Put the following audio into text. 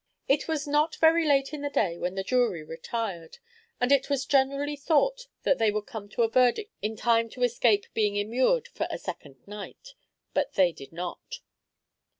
It was not very late in the day when the jury retired, and it was generally thought that they would come to a verdict in time to escape being immured for a second night; but they did not.